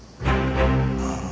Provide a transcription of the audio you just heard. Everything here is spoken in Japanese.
ああ。